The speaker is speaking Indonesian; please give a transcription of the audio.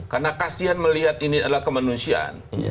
karena kasihan melihat ini adalah kemanusiaan